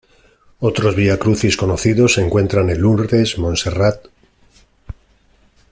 Otros vía crucis conocidos se encuentran en Lourdes, Montserrat.